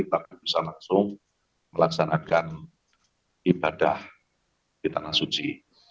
tapi bisa langsung melaksanakan ibadah di tanah suci